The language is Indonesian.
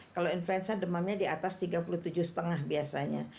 kalau influenza demamnya di atas tiga puluh tujuh lima biasanya